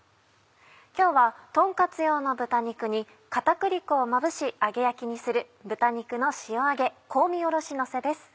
今日はとんカツ用の豚肉に片栗粉をまぶし揚げ焼きにする「豚肉の塩揚げ香味おろしのせ」です。